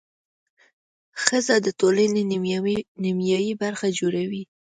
ښځه د ټولنې نیمایي برخه جوړوي.